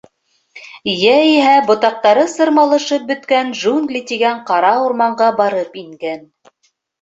Йәиһә ботаҡтары сырмалышып бөткән джунгли тигән ҡара урманға барып ингән.